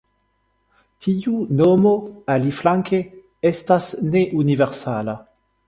Tiu nomo, aliflanke, estas ne universala.